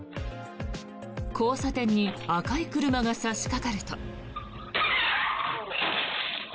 交差点に赤い車が差しかかると。